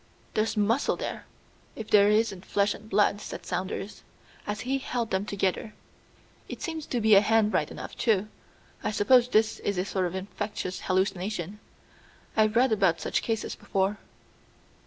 "There's muscle there, if there isn't flesh and blood," said Saunders, as he held them together. "It seems to be a hand right enough, too. I suppose this is a sort of infectious hallucination. I've read about such cases before."